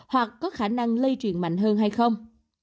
hoặc có khả năng lây truyền mạnh hơn hay không